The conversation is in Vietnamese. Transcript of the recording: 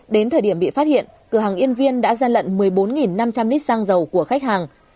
đến thời điểm bị phát hiện cửa hàng yên viên đã gian lận một mươi bốn năm trăm linh lít xăng dầu của khách hàng